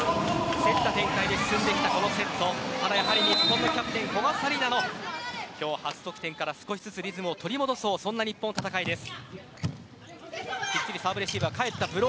競った展開で進んできたこのセットやはり日本のキャプテン古賀紗理那の今日初得点から少しずつリズムを取り戻そうそんな日本の戦いです。